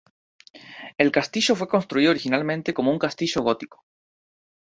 El castillo fue construido originalmente como un castillo gótico.